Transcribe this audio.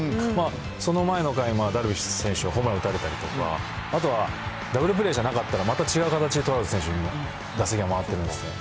その前の回もダルビッシュ選手はホームラン打たれたりとか、あとは、ダブルプレーじゃなかったらまた違う形でトラウト選手に打席が回ってるんですね。